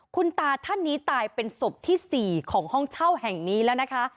คุณตาท่านนี้ตายเป็นศพที่๔ของห้องเช่าแห่งนี้แล้วนะคะ